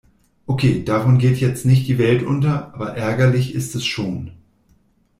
Okay, davon geht jetzt nicht die Welt unter, aber ärgerlich ist es schon.